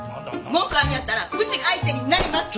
文句あるんやったらうちが相手になりますけど。